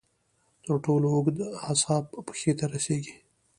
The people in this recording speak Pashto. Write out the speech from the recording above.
تر ټولو اوږد اعصاب پښې ته رسېږي.